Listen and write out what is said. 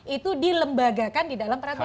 itu dilembagakan di dalam peraturan